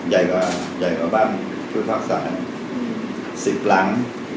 ใหญ่กว่าบ้านช่วยภาคศาสตร์๑๐หลัง